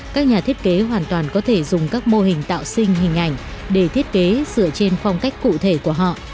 các nhà thiết kế hoàn toàn có thể dùng các mô hình tạo sinh hình ảnh để thiết kế dựa trên phong cách cụ thể của họ